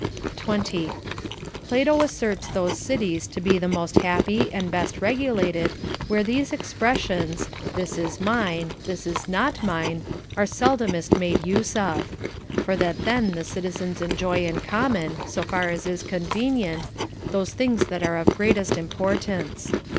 20. Plato asserts those cities to be the most happy and best regulated where these expressions, " This is mine," CONJUGAL PRECEPTS. 49tf " This is not mine," are seldomest made use of. For that then the citizens enjoy in common, so far as is convenient, those things that are of greatest importance.